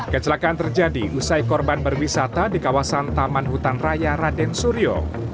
kecelakaan terjadi usai korban berwisata di kawasan taman hutan raya raden suryo